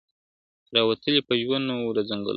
را وتلی په ژوند نه وو له ځنګلونو `